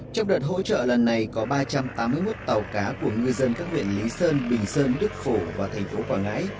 trong đợt hỗ trợ lần này có ba trăm tám mươi một tàu cá của ngư dân các huyện lý sơn bình sơn đức phổ và thành phố quảng ngãi